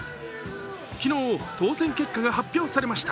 昨日、当選結果が発表されました。